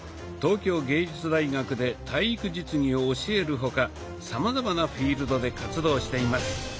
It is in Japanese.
東京藝術大学で体育実技を教える他さまざまなフィールドで活動しています。